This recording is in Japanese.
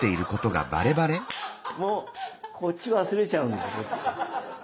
もうこっち忘れちゃうんです。